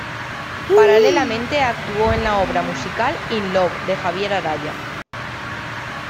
Paralelamente actuó en la obra musical "In Love" de Javier Araya.